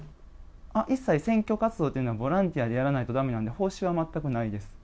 一切、選挙活動というのはボランティアでやらないとだめなんで、報酬は全くないです。